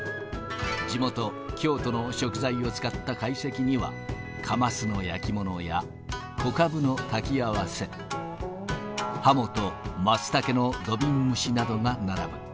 地元、京都の食材を使った会席には、カマスの焼き物や小カブのたき合わせ、ハモとまつたけの土瓶蒸しなどが並ぶ。